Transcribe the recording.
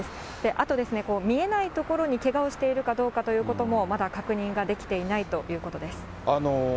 あと、見えないところにけがをしているかどうかということも、まだ確認ができていないということです。